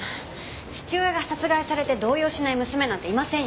父親が殺害されて動揺しない娘なんていませんよ。